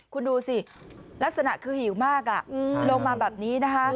คุณดูสิลักษณะคือหิวมากลงมาแบบนี้นะคะ